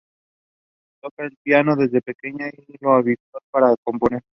Toca el piano desde pequeña y lo usa habitualmente para componer.